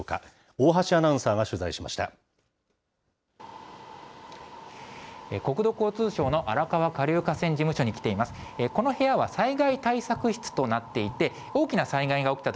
大橋アナウンサーが取材しました。